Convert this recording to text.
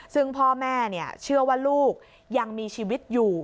ซึ่งพ่อแม่เชื่อว่าลูกยังมีชีวิตอยู่